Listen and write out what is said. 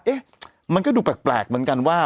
เอ๊ะมันก็ดูแปลกเหมือนกันว่า